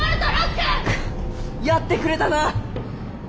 くやってくれたな。